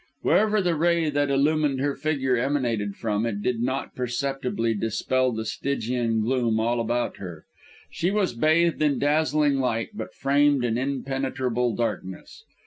Wherever the ray that illumined her figure emanated from, it did not perceptibly dispel the Stygian gloom all about her. She was bathed in dazzling light, but framed in impenetrable darkness.